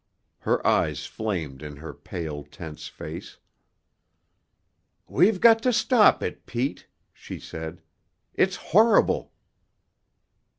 Her eyes flamed in her pale, tense face. "We've got to stop it, Pete," she said. "It's horrible!"